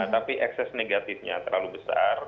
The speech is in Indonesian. tapi ekses negatifnya terlalu besar